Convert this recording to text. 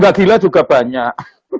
gak gila juga banyak